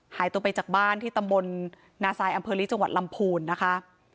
หายตัวไปจากบ้านที่ตำบลนาซายอำเภอลีจังหวัดลำพูนนะคะ